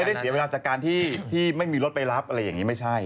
ได้เสียเวลาจากการที่ไม่มีรถไปรับอะไรอย่างนี้ไม่ใช่